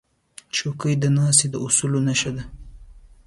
چوکۍ د ناستې د اصولو نښه ده.